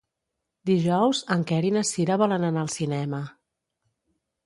Dijous en Quer i na Cira volen anar al cinema.